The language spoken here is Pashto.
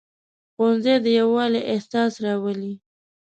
ښوونځی د یووالي احساس راولي